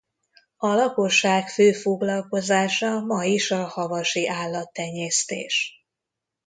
A lakosság fő foglalkozása ma is a havasi állattenyésztés.